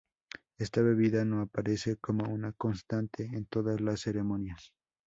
Esta bebida no aparece como una constante en todas las ceremonias.